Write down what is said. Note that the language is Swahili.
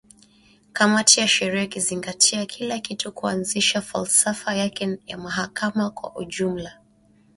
kamati ya sheria ikizingatia kila kitu kuanzia falsafa yake ya mahakama kwa ujumla